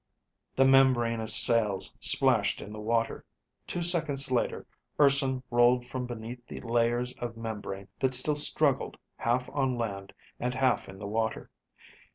The membranous sails splashed in the water. Two seconds later, Urson rolled from beneath the layers of membrane that still struggled half on land and half in the water.